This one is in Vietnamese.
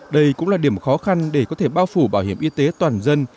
đây cũng là điểm khó khăn để có thể bao phủ bảo hiểm y tế toàn dân